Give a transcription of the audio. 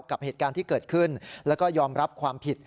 กับเหตุการณ์ที่เกิดขึ้นแล้วก็ยอมรับความผิด